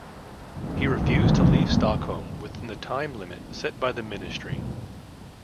He refused to leave Stockholm within the time limit set by the Ministry.